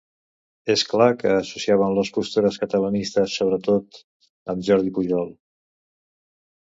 És clar que associaven les postures catalanistes sobretot amb Jordi Pujol.